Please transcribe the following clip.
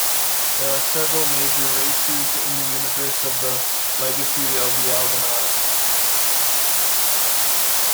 There are several major races in the universe of the "Legacy of the Aldenata".